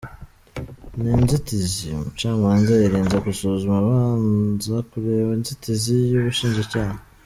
Ni inzitizi umucamanza yirinze gusuzuma abanza kureba inzitizi y’ubushinjacyaha.